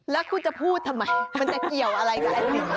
แล้วคุณจะพูดทำไมมันจะเกี่ยวอะไรกับอันนี้